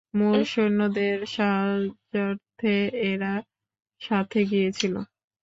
মূল সৈন্যদের সাহায্যার্থে এরা সাথে গিয়েছিল।